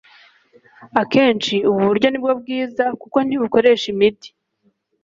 Akenshi ubu buryo nibwo bwiza kuko ntibukoresha imiti.